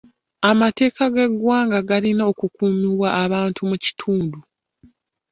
Amateeka g'eggwanga galina okukuumibwa abantu mu kitundu.